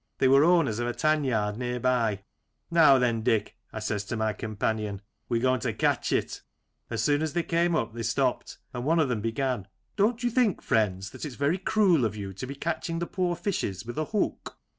They were owners of a tanyard near by. "Now then, Dick," I says to my companion, "we're going to catch it !" As soon as they came up they stopped, and one of them began :" Don't you think, friends, that it is very cruel of you to be catching the poor fishes with a hook